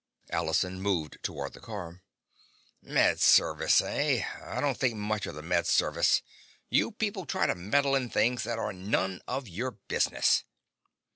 Allison moved toward the car. "Med Service, eh? I don't think much of the Med Service! You people try to meddle in things that are none of your business!"